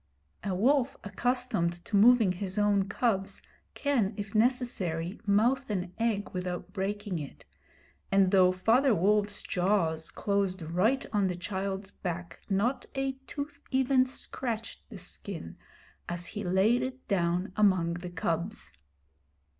A wolf accustomed to moving his own cubs can, if necessary, mouth an egg without breaking it, and though Father Wolf's jaws closed right on the child's back not a tooth even scratched the skin, as he laid it down among the cubs.